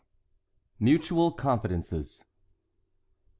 MUTUAL CONFIDENCES.